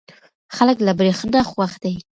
خلک له برېښنا خوښ دي.